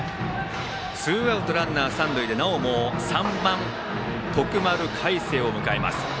ツーアウトランナー、三塁でなおも３番、徳丸快晴を迎えます